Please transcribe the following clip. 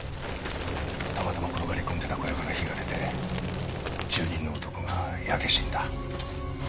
たまたま転がり込んでた小屋から火が出て住人の男が焼け死んだ。